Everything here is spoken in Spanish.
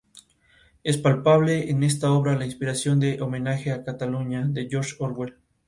Es palpable en esta obra la inspiración de "Homenaje a Cataluña" de George Orwell.